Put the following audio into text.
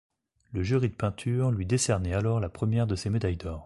Le jury de peinture lui décernait alors la première de ses médailles d’or.